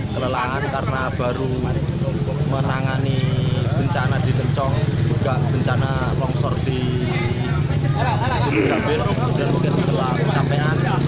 kelelahan karena baru menangani bencana di tencong juga bencana longsor di gambir dan mungkin telah kecapean